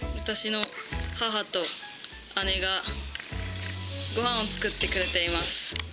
私の母と姉がごはんを作ってくれています。